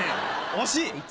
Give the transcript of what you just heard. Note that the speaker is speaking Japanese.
惜しい！